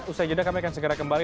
usai jeda kami akan segera kembali